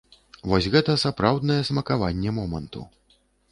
Вось гэта сапраўднае смакаванне моманту.